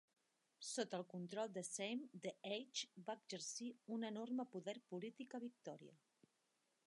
Sota el control de Syme, "The Age" va exercir un enorme poder polític a Victòria.